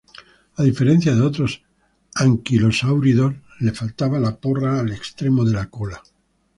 A diferencia de otros anquilosáuridos, le faltaba la porra al extremo de la cola.